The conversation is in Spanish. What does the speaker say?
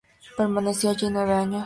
Permaneció allí nueve años.